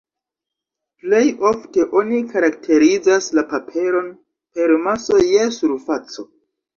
Plej ofte oni karakterizas la paperon per maso je surfaco.